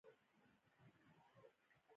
ستوني غرونه د افغانستان د جغرافیې بېلګه ده.